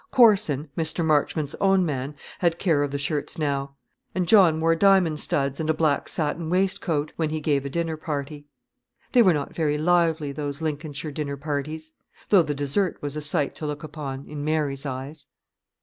Corson, Mr. Marchmont's own man, had care of the shirts now: and John wore diamond studs and a black satin waistcoat, when he gave a dinner party. They were not very lively, those Lincolnshire dinner parties; though the dessert was a sight to look upon, in Mary's eyes.